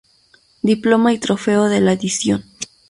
Diploma y trofeo de la edición.